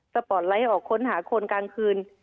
ปปไลท์ออกค้นหาคนกลางคืน